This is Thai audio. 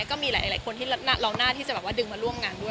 ก็มีหลายคนที่เราน่าที่จะแบบว่าดึงมาร่วมงานด้วย